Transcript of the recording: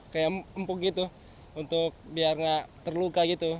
kayak empuk gitu untuk biar nggak terluka gitu